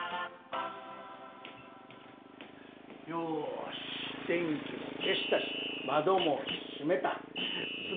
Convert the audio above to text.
よーし、電気も消したし、窓も閉めた。